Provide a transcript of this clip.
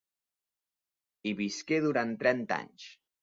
Hi visqué durant trenta anys.